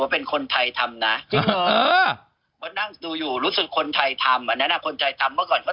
เพราะรู้สึกว่าเป็นคนไทยทำนะ